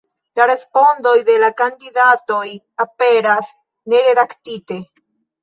La respondoj de la kandidatoj aperas neredaktite.